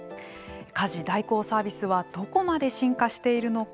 家事代行サービスはどこまで進化しているのか。